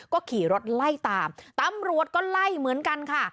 ก็ขี่รถไล่ตามตำรวจก็ไล่เหมือนกันค่ะ